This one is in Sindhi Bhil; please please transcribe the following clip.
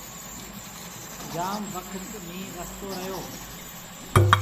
جآم وکت ميݩهن وستو رهيو۔